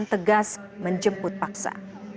dan tegas menjemput paksa